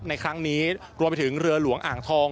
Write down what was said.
ในครั้งนี้รวมไปถึงเรือหลวงอ่างทอง